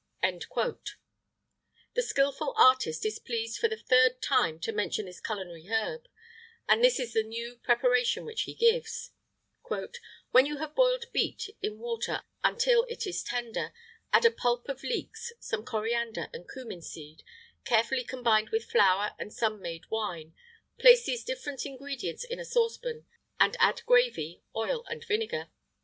[IX 32] The skilful artist is pleased for the third time to mention this culinary herb; and this is the new preparation which he gives: "When you have boiled beet in water until it is tender, add a pulp of leeks, some coriander, and cummin seed, carefully combined with flour and sun made wine; place these different ingredients in a saucepan, and add gravy, oil, and vinegar."